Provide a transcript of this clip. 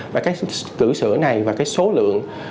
và cái cử sữa này và cái số lượng